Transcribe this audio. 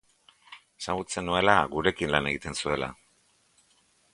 Ezagutzen nuela, gurekin lan egiten zuela.